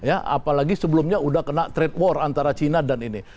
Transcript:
apalagi sebelumnya sudah kena trade war antara cina dan ini